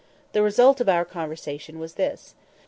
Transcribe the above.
The result of our conversation was this.